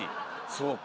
そうか。